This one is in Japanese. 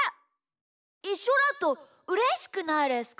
いっしょだとうれしくないですか？